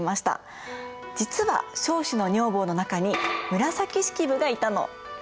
実は彰子の女房の中に紫式部がいたの。